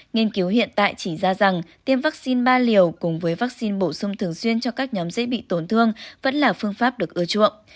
nghiên cứu hiện tại chỉ ra rằng tiêm vaccine ba liều cùng với vaccine bổ sung thường xuyên cho các nhóm dễ bị tổn thương vẫn là phương pháp được ưa chuộng